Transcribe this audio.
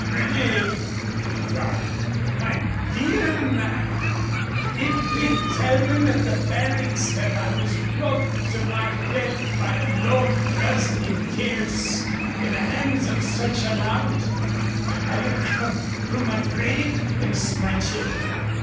René," he cried, "my dear man, if ye tell them at the barracks that I was brought to my death by the low thrust in tierce in the hands of such a lout, I'll come from my grave and smite ye.